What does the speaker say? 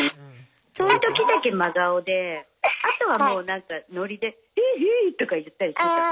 そういう時だけ真顔であとはもうなんかノリでヒューヒューとか言ったりしてた。